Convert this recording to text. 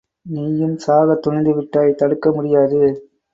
நீயும் சாகத் துணிந்துவிட்டாய் தடுக்க முடியாது.